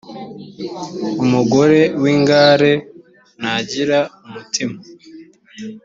umugore w ingare ntagira umutima